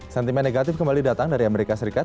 sentimen negatif kembali datang dari amerika serikat